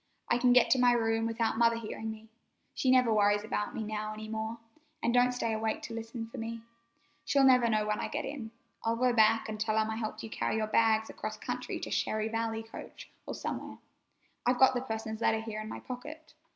I can get to my room without Mother hearing me. She never worries about me now any more, an' don't stay awake to listen for me. She'll never know when I get in. I'll go back an' tell 'em I helped carry your bag across country to Cherry Valley coach, or somewhere. I've got the parson's letter here in my pocket.